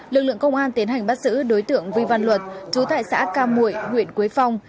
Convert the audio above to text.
lực lượng công an tiến hành bắt giữ đối tượng vi văn luật chú tại xã cam mụi huyện quế phong